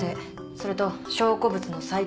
それと証拠物の再鑑定。